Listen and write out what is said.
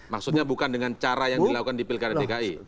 maksudnya bukan dengan cara yang dilakukan di pilkada dki